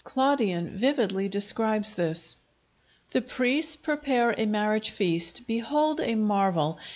Claudian vividly describes this: The priests prepare a marriage feast. Behold a marvel!